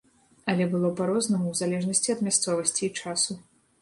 Але было па-рознаму ў залежнасці ад мясцовасці і часу.